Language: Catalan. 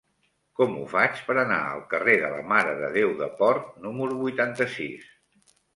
Com ho faig per anar al carrer de la Mare de Déu de Port número vuitanta-sis?